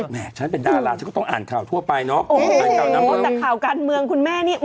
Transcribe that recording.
แม่ฉันเป็นดาราฉันก็ต้องอ่านข่าวทั่วไปเนอะพอแต่ข่าวการเมืองคุณแม่นี้